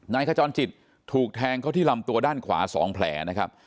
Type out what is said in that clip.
ขจรจิตถูกแทงเขาที่ลำตัวด้านขวา๒แผลนะครับ